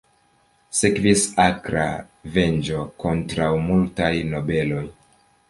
Sekvis akra venĝo kontraŭ multaj nobeloj.